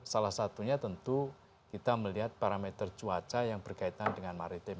salah satunya tentu kita melihat parameter cuaca yang berkaitan dengan maritim